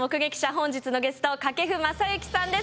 本日のゲスト掛布雅之さんです。